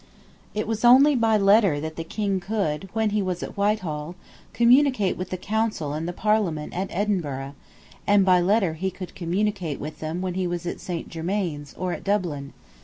It was only by letter that the King could, when he was at Whitehall, communicate with the Council and the Parliament at Edinburgh; and by letter he could communicate with them when he was at Saint Germains or at Dublin.